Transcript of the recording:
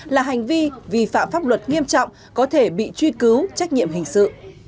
là hành vi vi phạm pháp luật nghiêm trọng có thể bị truy cứu trách nhiệm hình sự